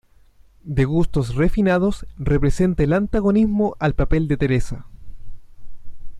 De gustos refinados, representa el antagonismo al papel de Teresa.